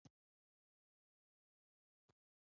نجلۍ د سترګو تروږمۍ ده.